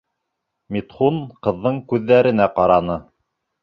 Митхун ҡыҙҙың күҙҙәренә ҡараны.